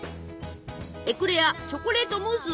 エクレアチョコレートムース